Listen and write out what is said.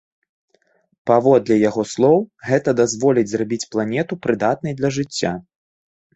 Паводле яго слоў, гэта дазволіць зрабіць планету прыдатнай для жыцця.